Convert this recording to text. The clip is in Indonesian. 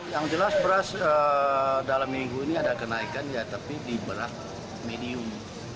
yang jelas beras dalam minggu ini ada kenaikan ya tapi di beras medium